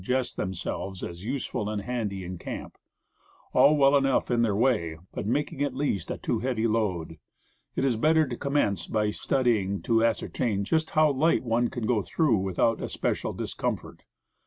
7 gest themselves as useful and handy in camp; all well enough in their way, but making at last a too heavy load. It is better to commence by studying to ascer tain just how light one can go through without especial discomfort.